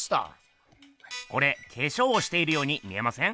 これ化粧をしているように見えません？